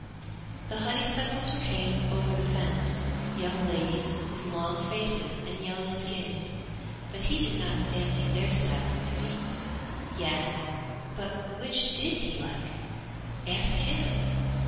The honeysuckles were hanging over the fence young ladies with long faces and yellow skins but he did not fancy their style of beauty. Yes, but which did he like? Ask him!